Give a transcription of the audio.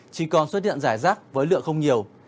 chỉ còn xuất hiện giải rắc với lượng không bịt